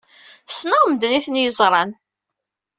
Ssneɣ medden ay ten-yeẓran.